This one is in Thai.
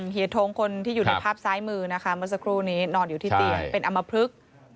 เฮียทงคนที่อยู่ในภาพซ้ายมือนะคะเมื่อสักครู่นี้นอนอยู่ที่เตียงเป็นอำมพลึก